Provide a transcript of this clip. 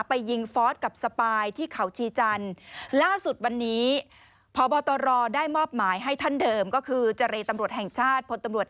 ไปยิงฟอสกับสปายที่เขาชีจันทร์